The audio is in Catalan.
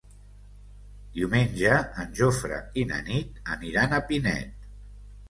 Diumenge en Jofre i na Nit aniran a Pinet.